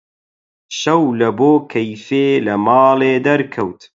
شەو لەبۆ کەیفێ لە ماڵێ دەرکەوت: